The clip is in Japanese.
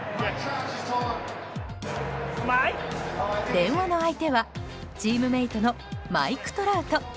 電話の相手は、チームメートのマイク・トラウト。